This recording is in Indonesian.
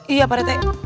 iya pak rete